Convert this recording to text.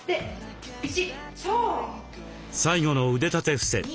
最後の腕立てふせ。